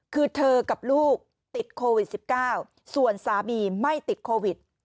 คือเธอกับลูกติดโควิด๑๙ส่วนสามีไม่ติดโควิด